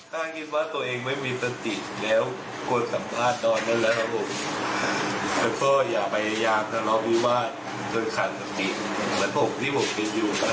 เหมือนผมที่ผมเป็นอยู่นะครับ